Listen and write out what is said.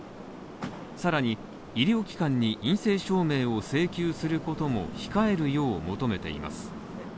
さらに医療機関に陰性証明を請求することも控えるよう求めています